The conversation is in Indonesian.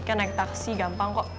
kan naik taksi gampang kok